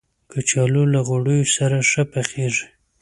کچالو له غوړیو سره ښه پخیږي